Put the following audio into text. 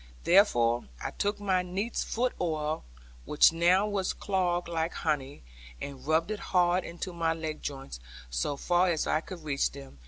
Therefore I took my neatsfoot oil, which now was clogged like honey, and rubbed it hard into my leg joints, so far as I could reach them.